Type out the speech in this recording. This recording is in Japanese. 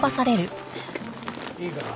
いいか？